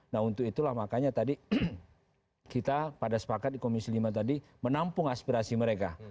nah untuk itulah makanya tadi kita pada sepakat di komisi lima tadi menampung aspirasi mereka